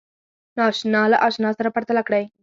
ناآشنا له آشنا سره پرتله کړئ